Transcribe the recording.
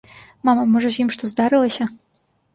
Мама, можа, з ім што здарылася?